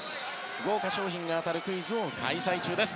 豪華賞品が当たるクイズを開催中です。